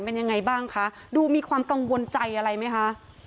เป็นยังไงบ้างคะดูมีความกังวลใจอะไรไหมคะ